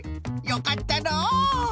よかったのう！